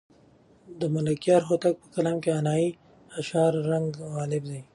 د ملکیار هوتک په کلام کې د غنایي اشعارو رنګ غالب دی.